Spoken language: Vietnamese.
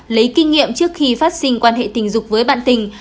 lấy kinh nghiệm trước khi phát sinh quan hệ tình dục với bạn tình